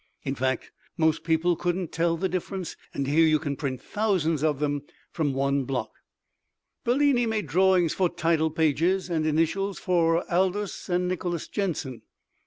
In fact, most people couldn't tell the difference, and here you can print thousands of them from the one block. Bellini makes drawings for title pages and initials for Aldus and Nicholas Jenson.